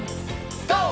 ＧＯ！